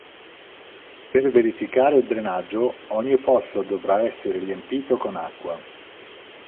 Per verificare il drenaggio ogni fosso dovrà essere riempito con acqua.